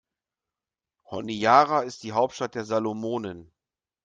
Honiara ist die Hauptstadt der Salomonen.